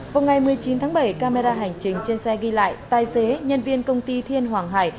vào ngày một mươi chín tháng bảy camera hành trình trên xe ghi lại tài xế nhân viên công ty thiên hoàng hải